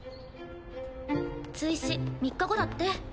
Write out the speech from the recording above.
追試３日後だって。